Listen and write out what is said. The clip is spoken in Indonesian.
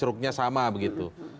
curugnya sama begitu